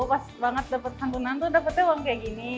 pas banget dapat santunan tuh dapetnya uang kayak gini